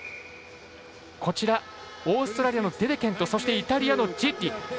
こちらオーストリアのデデケントそしてイタリアのジッリ。